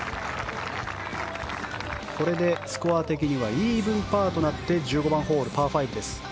これでスコア的にイーブンパーとなって１５番ホール、パー５。